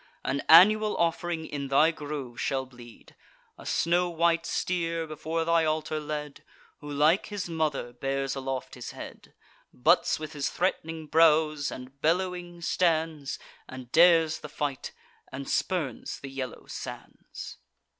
An annual off'ring in thy grove shall bleed; A snow white steer, before thy altar led, Who, like his mother, bears aloft his head, Butts with his threat'ning brows, and bellowing stands, And dares the fight, and spurns the yellow sands."